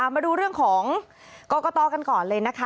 มาดูเรื่องของกรกตกันก่อนเลยนะคะ